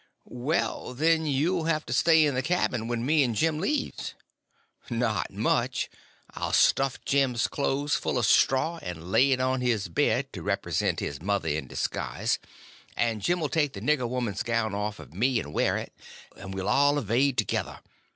"Well, then, you'll have to stay in the cabin when me and Jim leaves." "Not much. I'll stuff Jim's clothes full of straw and lay it on his bed to represent his mother in disguise, and Jim 'll take the nigger woman's gown off of me and wear it, and we'll all evade together.